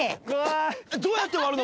どうやって割るの？